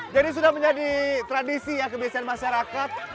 jadi sudah menjadi tradisi ya kebiasaan masyarakat